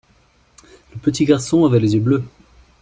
Le petit garçon avait les yeux bleus.